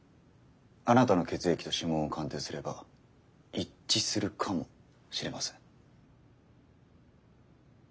あなたの血液と指紋を鑑定すれば一致するかもしれません。